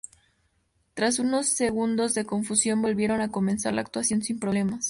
Tras unos segundos de confusión, volvieron a comenzar la actuación sin problemas.